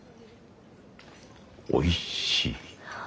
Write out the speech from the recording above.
おいしい。